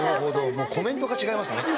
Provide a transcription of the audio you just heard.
もうコメントが違いますね。